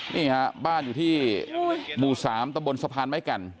นี่ฮะบ้านอยู่ที่บู๋สามตะบลสะพานไม้กัน